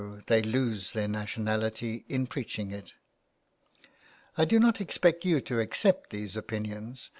they lose their nationality in preaching it. I do not expect you to accept these opinions.